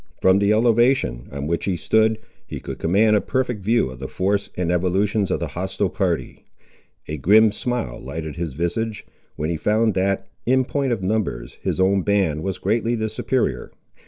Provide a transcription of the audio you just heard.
From the elevation, on which he stood, he could command a perfect view of the force and evolutions of the hostile party. A grim smile lighted his visage, when he found that, in point of numbers, his own band was greatly the superior.